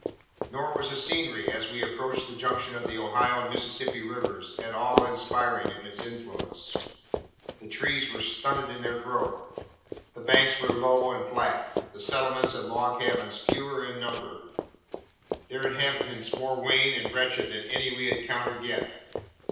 Nor was the scenery, as we approached the junction of the Ohio and Mississippi rivers, at all inspiriting in its influence. The trees were stunted in their growth; the banks were low and flat; the settlements and log cabins fewer in number: their inhabitants more wan and wretched than any we had encountered yet.